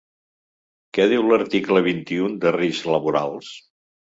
Què diu l’article vint-i-u de riscs laborals?